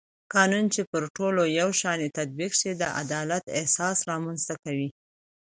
قانون چې پر ټولو یو شان تطبیق شي د عدالت احساس رامنځته کوي